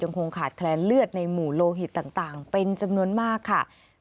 คงขาดแคลนเลือดในหมู่โลหิตต่างเป็นจำนวนมากค่ะ